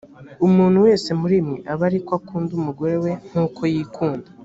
umuntu wese muri mwe abe ari ko akunda umugore we nk uko yikunda